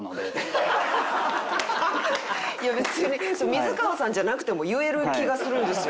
いや別にミズカワさんじゃなくても言える気がするんですよ。